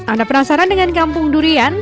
anda penasaran dengan kampung durian